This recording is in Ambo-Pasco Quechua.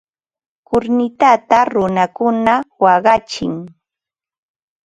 Kurnitata runakuna waqachin.